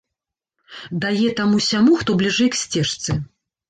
Дае таму-сяму, хто бліжэй к сцежцы.